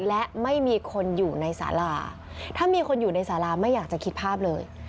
และไม่มีคนอยู่ในสาราถ้ามีคนอยู่ในสาราไม่อยากจะคิดภาพเลย